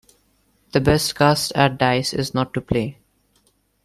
The best cast at dice is not to play.